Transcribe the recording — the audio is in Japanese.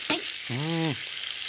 うん。